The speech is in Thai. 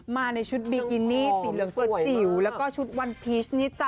มาในชุดบิกินี่สีเหลืองตัวจิ๋วแล้วก็ชุดวันพีชนี่จ้